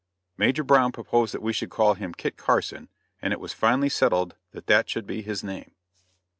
Major Brown proposed that we should call him Kit Carson, and it was finally settled that that should be his name.